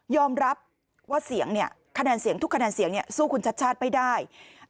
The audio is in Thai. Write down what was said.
รับว่าเสียงเนี่ยคะแนนเสียงทุกคะแนนเสียงสู้คุณชัดชาติไม่ได้